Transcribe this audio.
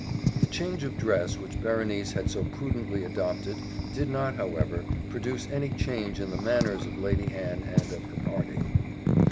The change of dress which Berenice had so prudently adopted, did not, however, produce any change in the manners of Lady Anne and of her party.